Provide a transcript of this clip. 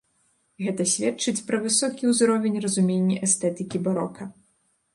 Гэта сведчыць пра высокі ўзровень разумення эстэтыкі барока.